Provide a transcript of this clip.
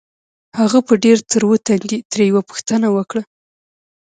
هغه په ډېر تروه تندي ترې يوه پوښتنه وکړه.